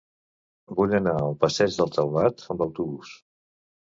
Vull anar al passeig del Taulat amb autobús.